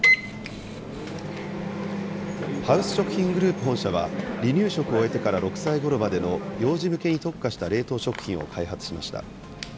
ハウス食品グループ本社は、離乳食を終えてから６歳ごろまでの幼児向けに特化した冷凍食品を開発しました。